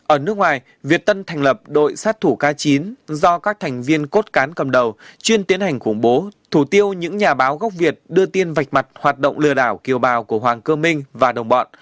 ở nước ngoài việt tân thành lập đội sát thủ k chín do các thành viên cốt cán cầm đầu chuyên tiến hành khủng bố thủ tiêu những nhà báo gốc việt đưa tin vạch mặt hoạt động lừa đảo kiều bào của hoàng cơ minh và đồng bọn